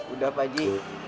udah pak ji